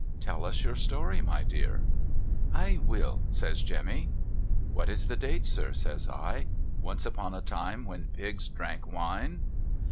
Tell us your story my dear.' * I will ' says Jenuny. 'What is the date sir?' says I. 'Once upon a time when pigs drank wine